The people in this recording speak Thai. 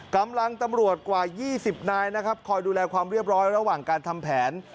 ตำรวจกว่า๒๐นายนะครับคอยดูแลความเรียบร้อยระหว่างการทำแผน